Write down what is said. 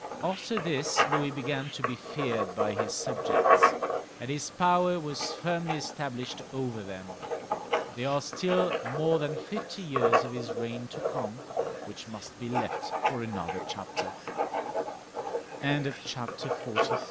After this Louis began to be feared by his subjects, and his power was firmly established over them. There are still more than fifty years of his reign to come, which must be left for anoth